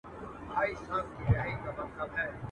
لکه ښاخ د زاړه توت غټ مړوندونه.